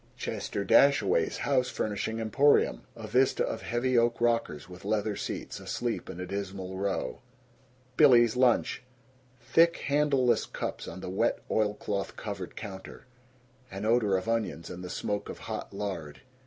Chester Dashaway's House Furnishing Emporium. A vista of heavy oak rockers with leather seats, asleep in a dismal row. Billy's Lunch. Thick handleless cups on the wet oilcloth covered counter. An odor of onions and the smoke of hot lard.